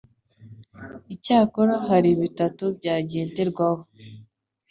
icyakora hari bitatu byagenderwaho.